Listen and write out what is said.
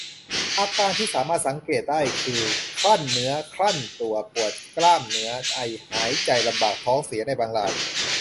อาการที่สามารถสังเกตได้คือ ครั่นเนื้อครั่นตัว ปวดกล้ามเนื้อ ไอ หายใจลำบาก ท้องเสีย ในบางราย